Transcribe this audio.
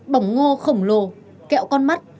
bỏng ngô khổng lồ kẹo con mắt